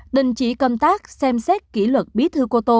đình chỉ công tác xem xét kỷ luật bí thư cô tô